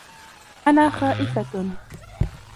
أنا خائفة.